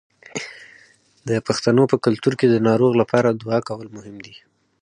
د پښتنو په کلتور کې د ناروغ لپاره دعا کول مهم دي.